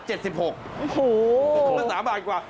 โอ้โฮโอ้โฮแล้ว๓บาทกว่า